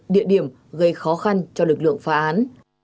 địa điểm gây khó khăn cho lực lượng phá án